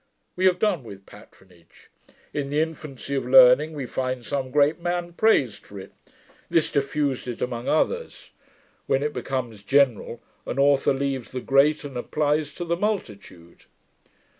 We have done with patronage. In the infancy of learning, we find some great man praised for it. This diffused it among others. When it becomes general, an author leaves the great, and applies to the multitude.'